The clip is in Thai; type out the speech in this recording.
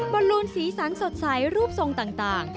บอลลูนสีสันสดใสรูปทรงต่าง